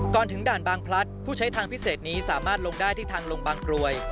ถึงด่านบางพลัดผู้ใช้ทางพิเศษนี้สามารถลงได้ที่ทางลงบางกรวย